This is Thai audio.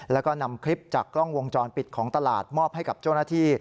แล้วก็นำคลิปจากกล้องวงจรปิดของตลาดมอบให้กับเจ้าหน้าที่